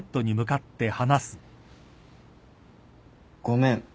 ごめん。